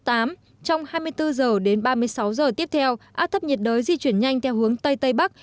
trong hai mươi bốn h đến ba mươi sáu giờ tiếp theo áp thấp nhiệt đới di chuyển nhanh theo hướng tây tây bắc